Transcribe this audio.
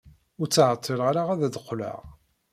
Ur ttɛeṭṭileɣ ara ad d-qqleɣ.